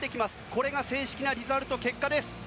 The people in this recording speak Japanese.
これが正式なリザルト、結果です。